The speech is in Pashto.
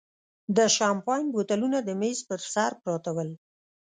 د شیمپین بوتلونه د مېز پر سر پراته ول.